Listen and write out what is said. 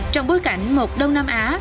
trong bối cảnh một đông nam á